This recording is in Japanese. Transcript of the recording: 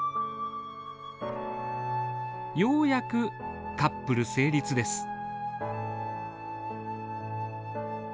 ようやくカップル成立です。